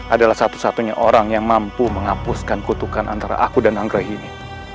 adalah satu satunya orang yang mampu menghapuskan kutukan antara aku dan anggrek ini